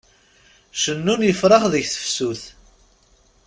Cennun yefṛax deg tefsut.